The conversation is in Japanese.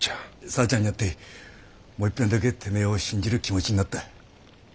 さあちゃんに会ってもういっぺんだけてめえを信じる気持ちになった。